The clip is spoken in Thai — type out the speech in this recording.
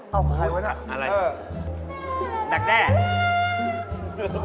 เอาข้าวไงไว้น่ะเออดักแน่ะ